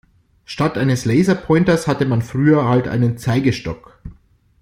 Statt eines Laserpointers hatte man früher halt einen Zeigestock.